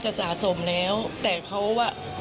ดีกว่าจะได้ตัวคนร้าย